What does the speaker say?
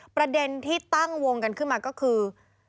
ประเด็นที่ตั้งวงกันขึ้นมาก็คือ